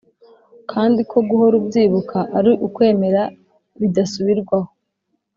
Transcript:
kandi ko guhora ubyibuka, ari ukwemera bidasubirwaho